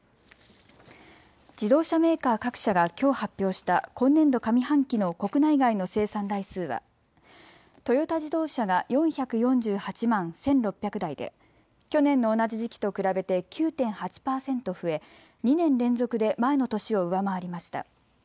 自動車メーカー各社がきょう発表した今年度上半期の国内外の生産台数はトヨタ自動車が４４８万１６００台で去年の同じ時期と比べて９．８％増え２年連続で前の年を上回りました。